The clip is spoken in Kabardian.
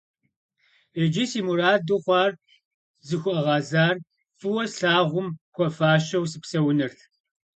Иджы си мураду хъуар зыхуэгъэзар фӀыуэ слъагъум хуэфащэу сыпсэунырт.